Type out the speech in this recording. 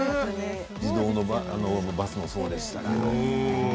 自動のバスもそうですけれど。